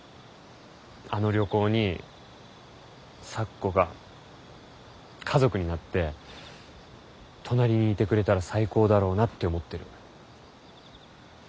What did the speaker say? あの旅行に咲子が家族になって隣にいてくれたら最高だろうなって思ってる。